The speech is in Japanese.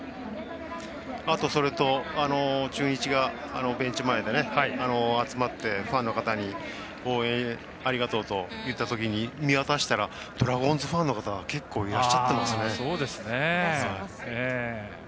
あと、中日がベンチ前で集まってファンの方に応援ありがとうと言ったときに見渡したらドラゴンズファンの方結構、いらっしゃってますね。